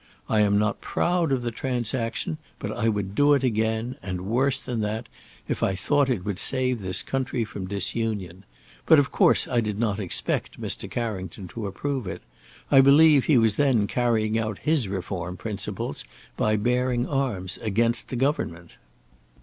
I am not proud of the transaction, but I would do it again, and worse than that, if I thought it would save this country from disunion. But of course I did not expect Mr. Carrington to approve it. I believe he was then carrying out his reform principles by bearing arms against the government."